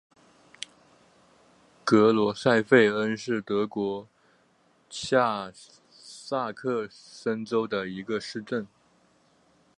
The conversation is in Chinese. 格罗塞费恩是德国下萨克森州的一个市镇。